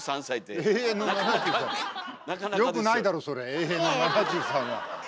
永遠の７３は。